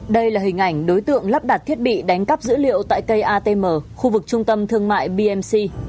đây là hình ảnh đối tượng lắp đặt thiết bị đánh cắp dữ liệu tại cây atm khu vực trung tâm thương mại bmc